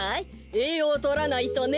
えいようをとらないとね。